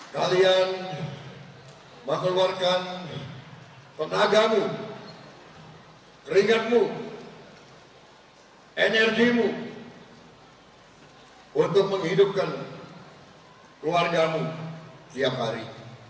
kalian mengeluarkan tenagamu ringanmu energimu untuk menghidupkan keluargamu tiap hari